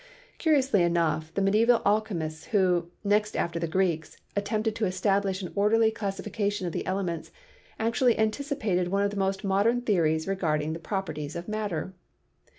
Curiously enough, the medieval alchemists who, next after the Greeks, attempted to establish an orderly classifi cation of the elements, actually anticipated one of the most modern theories regarding the properties of matter.